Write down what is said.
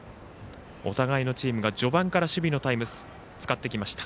お互いのチームが序盤から守備のタイムを使ってきました。